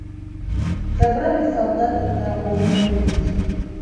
Забралі салдата таго ў бальніцу.